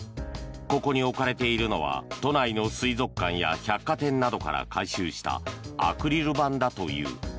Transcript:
ここに置かれているのは都内の水族館や百貨店などから回収したアクリル板だという。